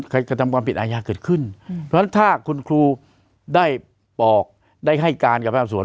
ใครก็ทำความผิดอายะเกิดขึ้นถ้าคุณครูได้ปอกได้ให้การกับพระอบสวน